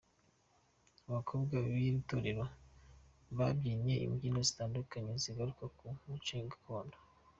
Abakobwa b'iri torero babyinnye imbyino zitandukanye zigaruka ku muco gakondo.